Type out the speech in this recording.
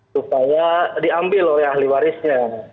supaya diambil oleh ahli warisnya